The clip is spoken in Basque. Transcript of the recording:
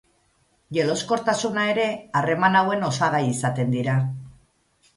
Jeloskortasuna ere harreman hauen osagai izaten dira.